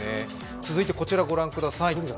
続いてこちらご覧ください。